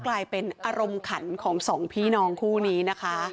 กลายเป็นอารมณ์ขันของสองพี่น้องคู่นี้นะคะ